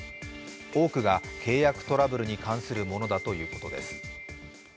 多くが契約トラブルに関するものだということです。